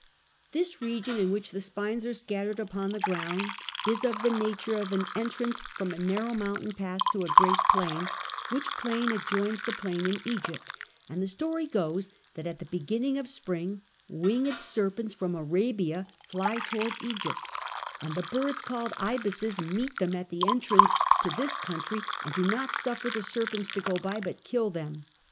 This region in which the spines are scattered upon the ground is of the nature of an entrance from a narrow mountain pass to a great plain, which plain adjoins the plain in Egypt; and the story goes that at the beginning of spring winged serpents from Arabia fly towards Egypt, and the birds called ibises meet them at the entrance to this country and do not suffer the serpents to go by but kill them.